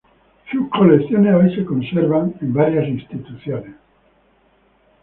Sus colecciones hoy se conservan en varias instituciones.